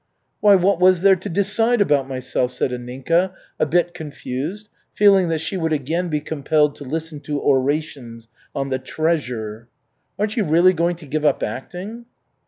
"Why, what was there to decide about myself?" said Anninka, a bit confused, feeling that she would again be compelled to listen to orations on the "treasure." "Aren't you really going to give up acting?"